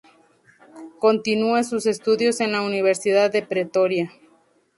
Continúe sus estudios en la Universidad de Pretoria.